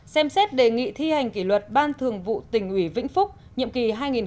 ba xem xét đề nghị thi hành kỷ luật ban thường vụ tỉnh ủy vĩnh phúc nhiệm kỳ hai nghìn một mươi hai nghìn một mươi năm